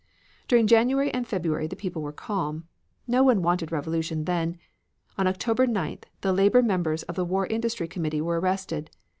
During January and February the people were calm. No one wanted revolution then. On February 9th, the labor members of the War Industry Committee were arrested.